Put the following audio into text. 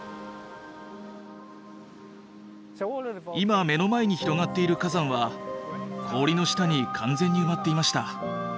今目の前に広がっている火山は氷の下に完全に埋まっていました。